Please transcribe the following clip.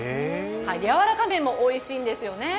やわらか麺もおいしいんですよね。